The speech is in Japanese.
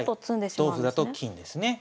同歩だと金ですね。